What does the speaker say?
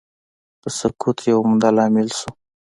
د سقوط یو عمده عامل شو.